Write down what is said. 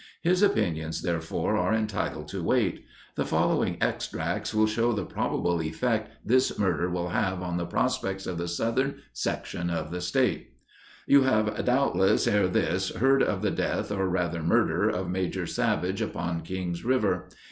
His opinions therefore are entitled to weight. The following extracts will show the probable effect this murder will have on the prospects of the southern section of the State: "You have doubtless ere this heard of the death, or rather murder, of Major Savage upon King's River.